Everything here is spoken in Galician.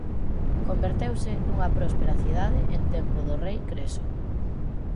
Converteuse nunha próspera cidade en tempo do rei Creso.